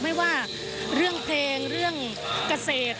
ไม่ว่าเรื่องเพลงเรื่องเกษตร